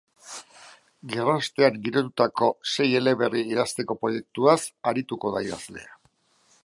Gerraostean girotutako sei eleberri idazteko proiektuaz arituko da idazlea.